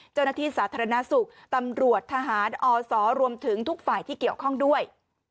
เจ้าหน้าที่สาธารณสุขตำรวจทหารอศรวมถึงทุกฝ่ายที่เกี่ยวข้องด้วย